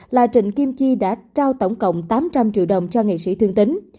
là trịnh kim chi đã trao tổng cộng tám trăm linh triệu đồng cho nghệ sĩ thương tính